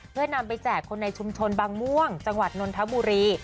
เพื่อนำไปแจกคนในชุมชนบางม่วงจังหวัดนนทบุรี